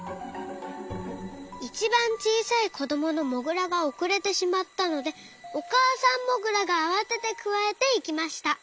いちばんちいさいこどものモグラがおくれてしまったのでおかあさんモグラがあわててくわえていきました。